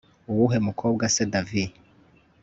uwuhe mukobwa se davi